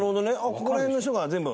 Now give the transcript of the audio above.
ここら辺の人が全部。